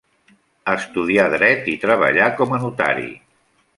Estudià dret i treballà com a notari.